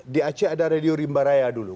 di aceh ada radio rimba raya dulu